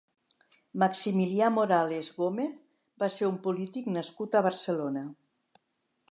Maximilià Morales Gómez va ser un polític nascut a Barcelona.